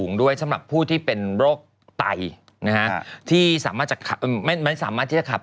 ด้วยสำหรับผู้ที่เป็นโรคไตนะฮะที่สามารถจะไม่สามารถที่จะขับ